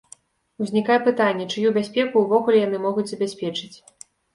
Узнікае пытанне, чыю бяспеку ўвогуле яны могуць забяспечыць?